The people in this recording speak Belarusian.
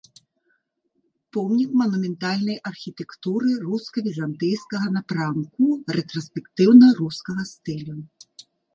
Помнік манументальнай архітэктуры руска-візантыйскага напрамку рэтраспектыўна-рускага стылю.